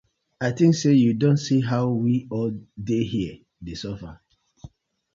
I tink say yu don see how we all dey here dey suffer.